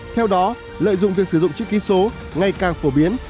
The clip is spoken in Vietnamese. theo đó lợi dụng việc sử dụng chức ký số ngay càng phổ biến